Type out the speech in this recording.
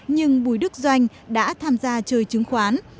nhưng bùi đức doanh đã tham gia chơi chứng khoán